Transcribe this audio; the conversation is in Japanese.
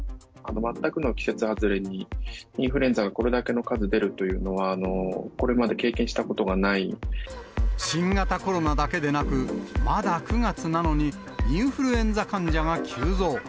全くの季節外れにインフルエンザがこれだけの数出るというのは、新型コロナだけでなく、まだ９月なのに、インフルエンザ患者が急増。